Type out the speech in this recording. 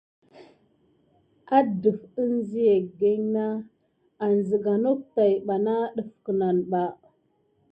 Misasin higana na an siga nok tät pak def kinaba.